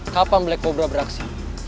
kapan black cobra beraksi